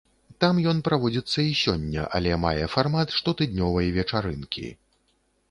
Там ён праводзіцца і сёння, але мае фармат штотыднёвай вечарынкі.